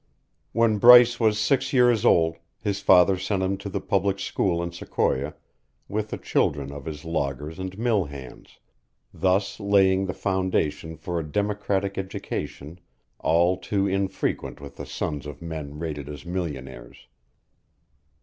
When Bryce was six years old, his father sent him to the public school in Sequoia with the children of his loggers and mill hands, thus laying the foundation for a democratic education all too infrequent with the sons of men rated as millionaires.